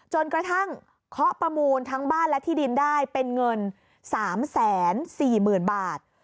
จนกระทั่งเคาะประมูลทั้งบ้านและที่ดินได้เป็นเงิน๓๔๐๐๐บาท